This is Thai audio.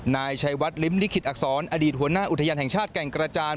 นายชัยวัดลิ้มลิขิตอักษรอดีตหัวหน้าอุทยานแห่งชาติแก่งกระจาน